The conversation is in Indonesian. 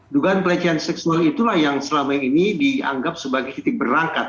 dugaan pelecehan seksual itulah yang selama ini dianggap sebagai titik berangkat